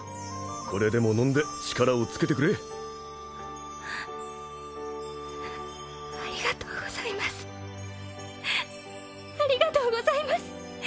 これでも飲んで力をつけてくれありがとうございますありがとうございます